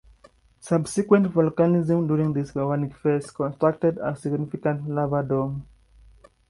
Subsequent volcanism during this volcanic phase constructed a significant lava dome.